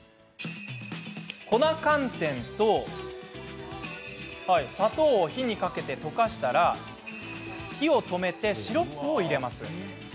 粉寒天と砂糖を火にかけて溶かしましたら火を止めてシロップを入れます。